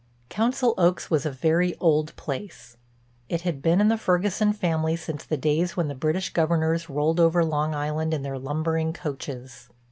Council Oaks was a very old place; it had been in the Ferguson family since the days when the British governors rolled over Long Island in their lumbering coaches.